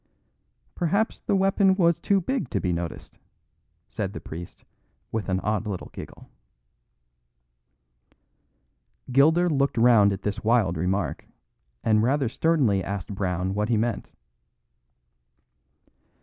"Perhaps the weapon was too big to be noticed," said the priest, with an odd little giggle. Gilder looked round at this wild remark, and rather sternly asked Brown what he meant.